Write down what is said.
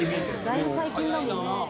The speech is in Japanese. だいぶ最近だもんな。